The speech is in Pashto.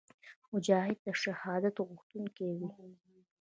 مجاهد د شهادت غوښتونکی وي.